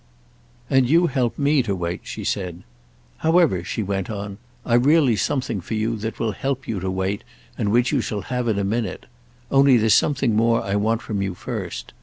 "And you help me to wait," she said. "However," she went on, "I've really something for you that will help you to wait and which you shall have in a minute. Only there's something more I want from you first.